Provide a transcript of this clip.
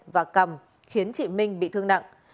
và cầm khiến chị minh bị thương nặng